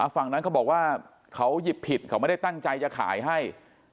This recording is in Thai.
ฝั่งนั้นเขาบอกว่าเขาหยิบผิดเขาไม่ได้ตั้งใจจะขายให้